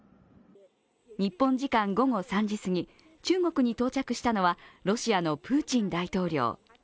日本時間午後３時過ぎ、中国に到着したのはロシアのプーチン大統領。